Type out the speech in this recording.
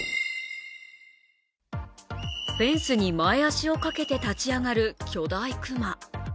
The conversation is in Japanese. フェンスに前足をかけて立ち上がる巨大熊。